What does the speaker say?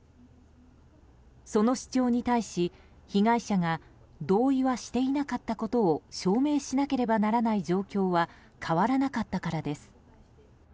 その主張に対し被害者が同意はしていなかったことを証明しなければならない状況は変わらなかったからです。